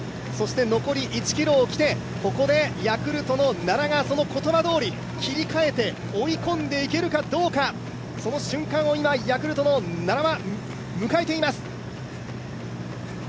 残り１ｋｍに来て、ここでヤクルトの奈良がその言葉どおり切り替えて追い込んでいけるかどうか、その瞬間を今ヤクルトの奈良は、迎えています。